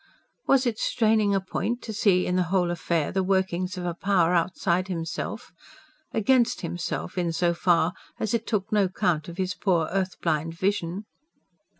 Was it straining a point to see in the whole affair the workings of a Power outside himself against himself, in so far as it took no count of his poor earth blind vision?